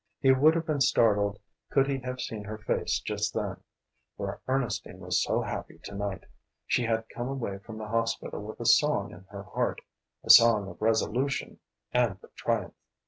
He would have been startled could he have seen her face just then. For Ernestine was so happy to night. She had come away from the hospital with a song in her heart; a song of resolution and of triumph.